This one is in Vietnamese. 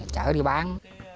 chở đi bán